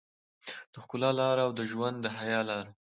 د ښکلا لاره او د ژوند د حيا لاره.